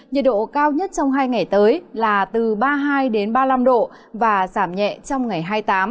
nhiệt độ cao nhất trong hai ngày tới là từ ba mươi hai ba mươi năm độ và giảm nhẹ trong ngày hai mươi tám